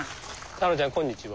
タローちゃんこんにちは。